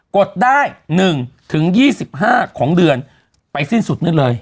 กดได้หนึ่งถึงยี่สิบห้าของเดือนไปสิ้นสุดนั่นเลย